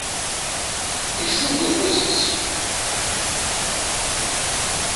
Icudd ufus-is.